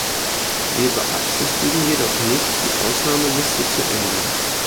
Wir beabsichtigen jedoch nicht, die Ausnahmeliste zu ändern.